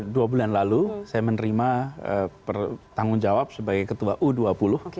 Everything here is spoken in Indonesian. dua bulan lalu saya menerima tanggung jawab sebagai ketua u dua puluh